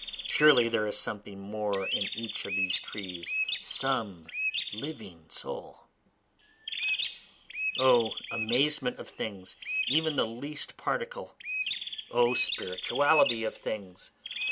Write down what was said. (Surely there is something more in each of the trees, some living soul.) O amazement of things even the least particle! O spirituality of things!